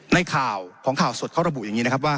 ในข่าวของข่าวสดเขาระบุอย่างนี้นะครับว่า